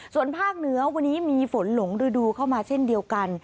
ส่วนภาคเหนือวันนี้มีฝนหลงฤดูเข้ามาเช่นเดียวกัน